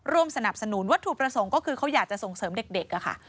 สนับสนุนวัตถุประสงค์ก็คือเขาอยากจะส่งเสริมเด็กค่ะ